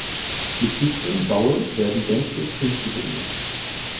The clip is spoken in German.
Die tieferen Baue werden gänzlich unzugänglich.